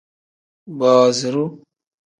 Booziru.